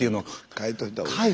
書いといた方がいい。